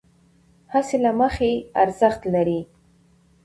هڅې له مخې ارزښت لرې،